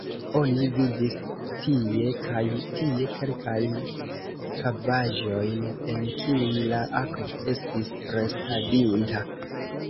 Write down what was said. Oni vidis tie kaj tie kelkajn kavaĵojn, en kiuj la akvo estis restadinta.